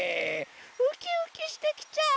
ウキウキしてきちゃう！